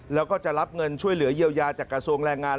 แล้วก็จะรับเงินช่วยเหลือเยียวยาจากกระทรวงแรงงาน